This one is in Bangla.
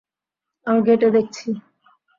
আমি ঘেঁটে দেখছি।